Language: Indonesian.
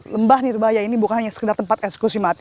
lembah nirbaya ini bukan hanya sekedar tempat eksekusi mati